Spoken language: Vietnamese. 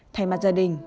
thay mặt gia đình